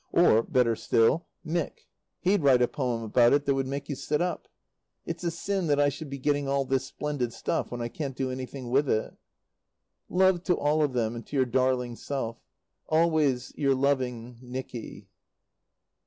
Or, better still, Mick. He'd write a poem about it that would make you sit up. It's a sin that I should be getting all this splendid stuff when I can't do anything with it. Love to all of them and to your darling self. Always your loving, NICKY.